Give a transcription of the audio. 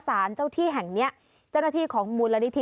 สารเจ้าที่แห่งเนี้ยเจ้าหน้าที่ของมูลนิธิ